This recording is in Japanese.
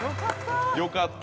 よかった